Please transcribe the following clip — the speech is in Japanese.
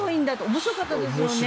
面白かったですよね？